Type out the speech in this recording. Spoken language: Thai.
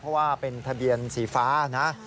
เพราะว่าเป็นทะเบียนสีฟ้านะ